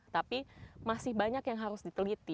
tapi masih banyak yang harus diteliti